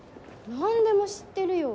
何でも知ってるよ。